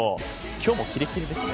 今日もキレキレですね。